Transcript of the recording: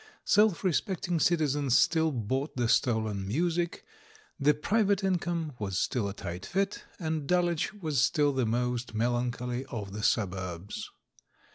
Self respect ing citizens still bought the stolen music, the pri vate income was still a tight fit, and Dulwich was still the most melancholy of the suburbs.